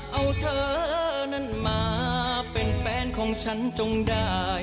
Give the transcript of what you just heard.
เอาเธอนั้นมาเป็นแฟนของฉันจงได้